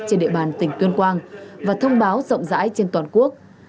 trên địa bàn tỉnh tuyên quang và thông báo rộng rãi trên toàn quốc